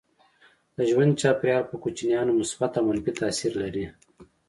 د ژوند چاپيریال پر کوچنیانو مثبت او منفي تاثير لري.